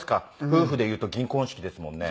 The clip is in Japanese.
夫婦でいうと銀婚式ですもんね。